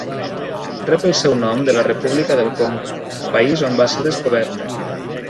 Rep el seu nom de la República del Congo, país on va ser descoberta.